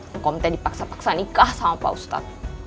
engkau itu dipaksa paksa nikah sama pak ustadz